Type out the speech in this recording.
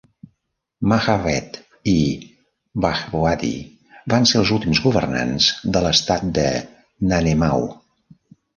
Mahaved i Bhagwati van ser els últims governants de l'Estat de Nanemau.